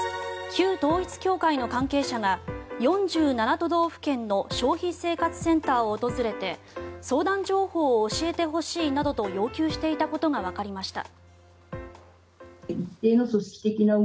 旧統一教会の関係者が４７都道府県の消費生活センターを訪れて相談情報を教えてほしいなどと要求していたことがわかりました。